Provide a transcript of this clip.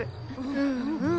うんうん。